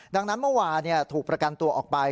ดังนั้นเมื่อวานถูกประกันตัวออกไป